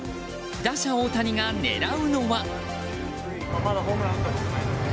打者・大谷が狙うのは？